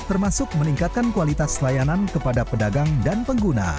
termasuk meningkatkan kualitas layanan kepada pedagang dan pengguna